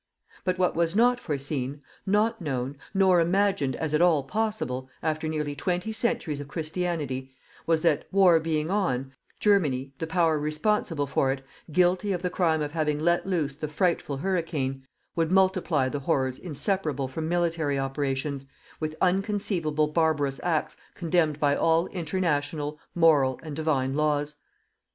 But what was not foreseen, not known, nor imagined as at all possible, after nearly twenty centuries of Christianity, was that, war being on, Germany, the Power responsible for it, guilty of the crime of having let loose the frightful hurricane, would multiply the horrors inseparable from military operations, with unconceivable barbarous acts condemned by all international, moral and Divine laws.